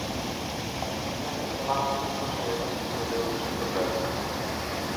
A tymczasem zabawki o niższej jakości powodują trzy problemy